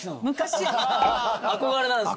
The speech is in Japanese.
憧れなんですね。